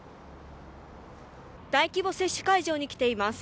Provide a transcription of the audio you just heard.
大規模接種会場に来ています。